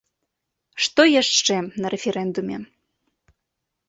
Што яшчэ на рэферэндуме?